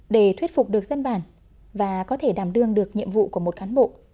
để thuyết phục được dân bản và có thể đảm đương được nhiệm vụ của một cán bộ